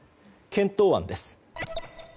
検討案です。